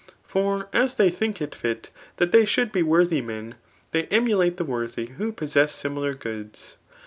For as they think it fit that they should 'be worthy men, they emulate the worthy who possess similar goods.